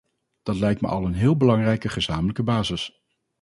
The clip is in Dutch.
Dat lijkt me al een heel belangrijke gezamenlijke basis.